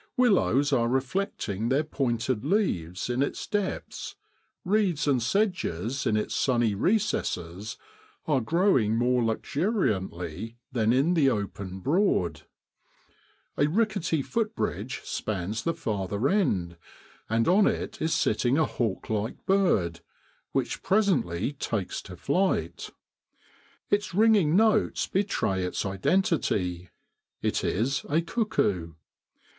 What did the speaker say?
Willows are reflecting their pointed leaves in its depths, reeds and sedges in its sunny recesses are growing more luxuriantly than in the open Broad. A ricketty foot bridge spans the farther end and on it is sitting a hawk like bird, which presently takes to flight. Its ringing notes betray its identity; it is a cuckoo.